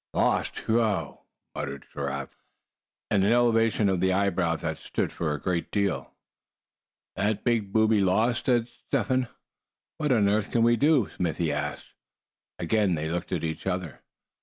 "Lost whew!" muttered Giraffe, with a suggestive whistle, and an elevation of the eyebrows that stood for a great deal. "That big booby lost!" said Step Hen. "What on earth can we do?" Smithy asked. Again they looked at each other.